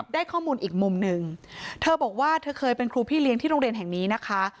ได้ข้อมูลอีกมุมหนึ่งเธอบอกว่าเธอเคยเป็นครูพี่เลี้ยงที่โรงเรียนแห่งนี้นะคะ